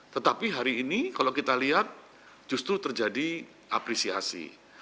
tetapi hari ini kalau kita lihat justru terjadi apresiasi